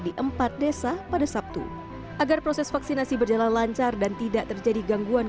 di empat desa pada sabtu agar proses vaksinasi berjalan lancar dan tidak terjadi gangguan